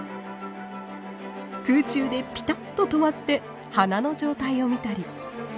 空中でピタッと止まって花の状態を見たり。